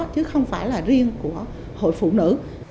chứ không phải là riêng của hội phụ nữ